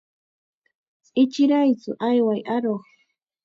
Ichiraytsu, ayway aruq.